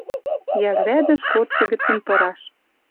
Йӓл рядӹш кодшы гӹцӹн пыраш.